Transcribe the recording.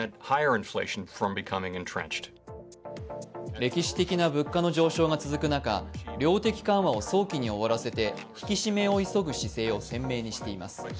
歴史的な物価の上昇が続く中、量的緩和を早期に終わらせて引き締めを急ぐ姿勢を鮮明にしています。